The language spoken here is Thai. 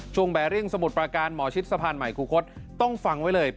แบริ่งสมุทรประการหมอชิดสะพานใหม่ครูคศต้องฟังไว้เลย